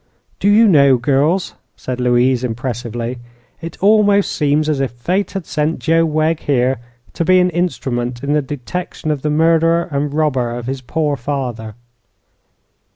"Do you know, girls," said Louise, impressively, "it almost seems as if fate had sent Joe Wegg here to be an instrument in the detection of the murderer and robber of his poor father."